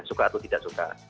suka atau tidak suka